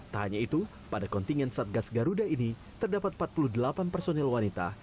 tak hanya itu pada kontingen satgas garuda ini terdapat empat puluh delapan personil wanita